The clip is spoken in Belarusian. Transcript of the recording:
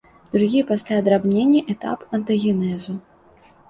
Другі пасля драбнення этап антагенезу.